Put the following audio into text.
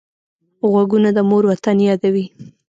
غوږونه د مور وطن یادوي